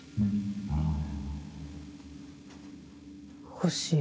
欲しい。